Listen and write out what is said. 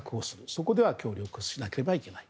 そこでは協力しなければいけない。